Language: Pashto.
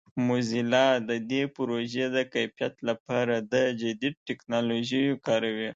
موزیلا د دې پروژې د کیفیت لپاره د جدید ټکنالوژیو کاروي.